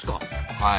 はい。